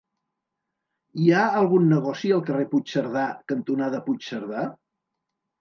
Hi ha algun negoci al carrer Puigcerdà cantonada Puigcerdà?